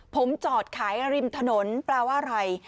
ผมจอดขายริมถนนแปลว่าอะไร